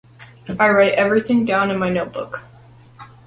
I write everything down in my notebook.